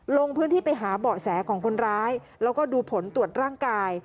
ลงพื้นที่ไปหาเบาะแสของคนร้ายแล้วก็ดูผลตรวจร่างกาย